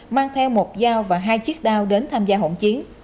mang theo một dao và hai chiếc đao đến tham gia hỗn chiến